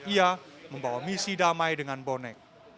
ia membawa misi damai dengan bonek